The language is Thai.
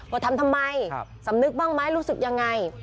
ทำทำไมสำนึกบ้างไหมรู้สึกยังไง